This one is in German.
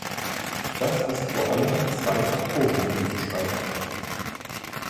Das ist vor allem zwei Faktoren zuzuschreiben.